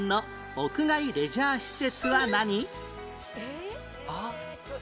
屋外レジャー施設。